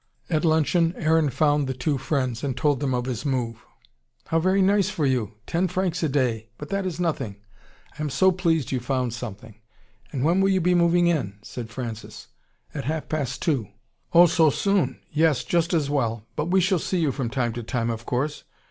At luncheon Aaron found the two friends, and told them of his move. "How very nice for you! Ten francs a day but that is nothing. I am so pleased you've found something. And when will you be moving in?" said Francis. "At half past two." "Oh, so soon. Yes, just as well. But we shall see you from time to time, of course.